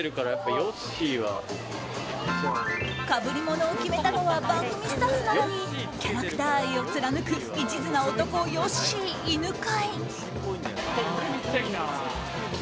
かぶりものを決めたのは番組スタッフなのにキャラクター愛を貫く一途な男、ヨッシー犬飼。